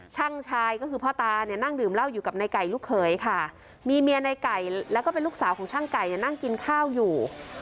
ชายก็คือพ่อตาเนี่ยนั่งดื่มเหล้าอยู่กับในไก่ลูกเขยค่ะมีเมียในไก่แล้วก็เป็นลูกสาวของช่างไก่เนี่ยนั่งกินข้าวอยู่